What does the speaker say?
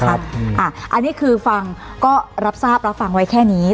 อันนี้คือฟังก็รับทราบรับฟังไว้แค่นี้